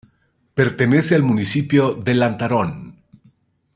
Pertenece al Municipio de Lantarón.